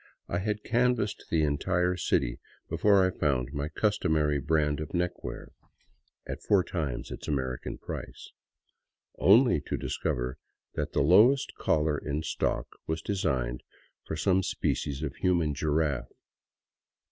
I had canvassed the entire city before I found my customary brand of neckwear — at four times its 127 VAGABONDING DOWN THE ANDES American price — only to discover that the lowest collar in stock was designed for some species of human giraffe.